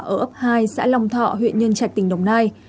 ở ấp hai xã long thọ huyện nhân trạch tỉnh đồng nai